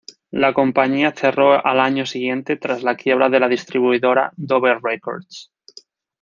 La compañía cerró al año siguiente tras la quiebra de la distribuidora Dover Records.